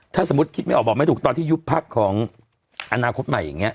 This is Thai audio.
ถ้าสมมุติคิดไม่ออกบอกไม่ถูกตอนที่ยุบพักของอนาคตใหม่อย่างนี้